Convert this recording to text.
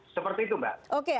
seperti itu mbak